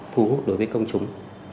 thu hút đối với công chúng